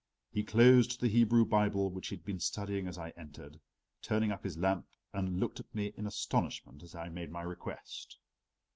He closed the Hebrew Bible which he had been studying as I entered, turned up his lamp and looked at me in astonishment as I made my request.